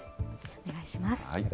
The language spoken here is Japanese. お願いします。